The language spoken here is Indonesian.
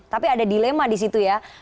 tapi ada dilema di situ ya